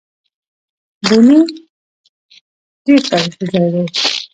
بونېر ډېر تاريخي ځای دی